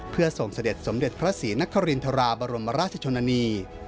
เพื่อส่งเสด็จสมเด็จพระศรีนครินทราบรมราชชนนานี